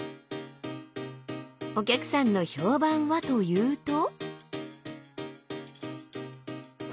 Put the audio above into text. お客さんの評判はというと。